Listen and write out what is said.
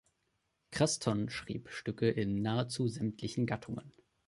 Creston schrieb Stücke in nahezu sämtlichen Gattungen.